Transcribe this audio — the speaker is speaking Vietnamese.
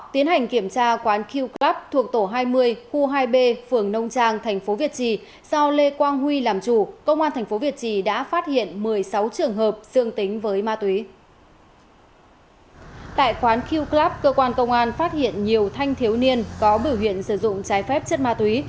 tại quán keo clube club cơ quan công an phát hiện nhiều thanh thiếu niên có biểu hiện sử dụng trái phép chất ma túy